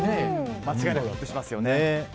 間違いなくヒットしますよね。